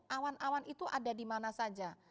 awan awan itu ada di mana saja